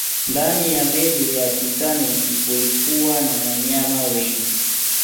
Ndani ya meli ya Titanic kulikuwa na wanyama wengi